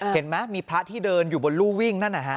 เห็นไหมมีพระที่เดินอยู่บนรูวิ่งนั่นนะฮะ